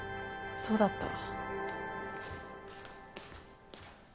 そうだったわ。